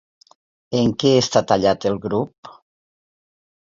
En què està tallat el grup?